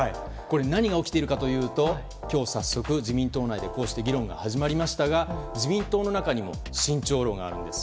何が起きているかというと今日、早速自民党内でこうして議論が始まりましたが自民党の中にも慎重論があるんです。